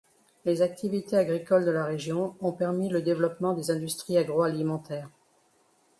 Les activités agricoles de la région ont permis le développement des industries agro-alimentaires.